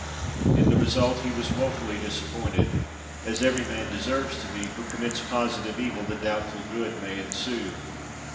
In the result he was wofully disappointed, as every man deserves to be who commits positive evil that doubtful good may ensue.